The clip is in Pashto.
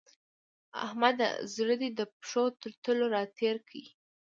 احمده! زړه دې د پښو تر تلو راتېر کړ.